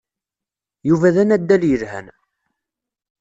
Yuba d anaddal yelhan.